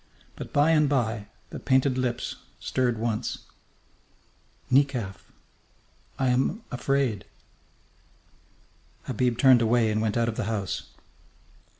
But by and by the painted lips stirred once. "Nekaf!... I am afraid!" Habib turned away and went out of the house.